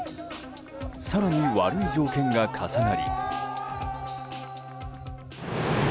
更に悪い条件が重なり。